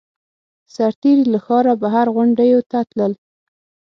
سرتېري له ښاره بهر غونډیو ته تلل.